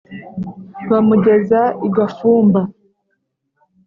bamugeza i gafumba